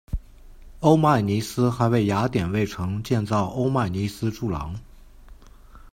欧迈尼斯还为雅典卫城建造欧迈尼斯柱廊。